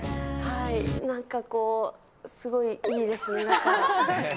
なんかこう、すごいいいですね、なんか。